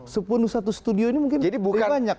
sepenuh satu studio ini mungkin lebih banyak